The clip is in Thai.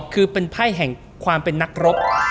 คือเป็นไพ่แห่งความเป็นนักรบ